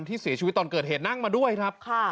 ที่เสียชีวิตตอนเกิดเหตุนั่งมาด้วยครับ